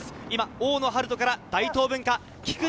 大野陽人から大東文化・菊地